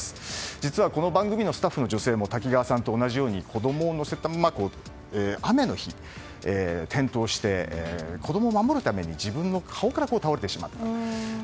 実は、この番組のスタッフの女性も滝川さんと同じように子供を乗せたまま雨の日に転倒して子供を守るために自分の顔から倒れてしまったと。